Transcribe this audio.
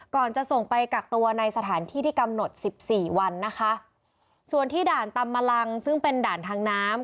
จะส่งไปกักตัวในสถานที่ที่กำหนดสิบสี่วันนะคะส่วนที่ด่านตำมะลังซึ่งเป็นด่านทางน้ำ